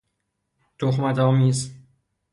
تﮩمت آمیز